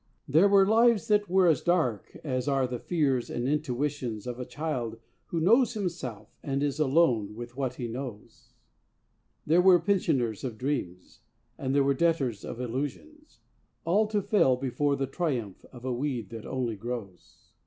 There were lives that were as dark as are the fears and intuitions Of a child who knows himself and is alone with what he knows; There were pensioners of dreams and there were debtors of illusions, All to fail before the triumph of a weed that only grows.